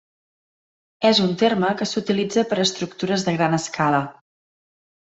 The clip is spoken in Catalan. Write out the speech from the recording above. És un terme que s'utilitza per estructures de gran escala.